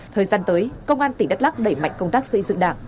thời gian tới công an tỉnh đắk lắc đẩy mạnh công tác xây dựng đảng